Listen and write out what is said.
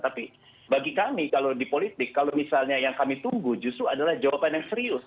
tapi bagi kami kalau di politik kalau misalnya yang kami tunggu justru adalah jawaban yang serius